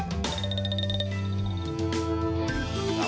มุมโตค่ะ